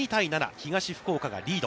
東福岡がリード。